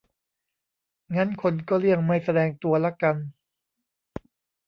งั้นคนก็เลี่ยงไม่แสดงตัวละกัน